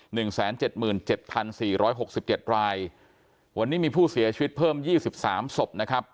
หนึ่งแสนเจ็ดหมื่นเจ็ดพันสี่ร้อยหกสิบเจ็ดรายวันนี้มีผู้เสียชีวิตเพิ่มยี่สิบสามศพนะครับ